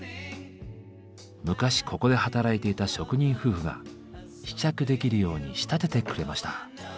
昔ここで働いていた職人夫婦が試着できるように仕立ててくれました。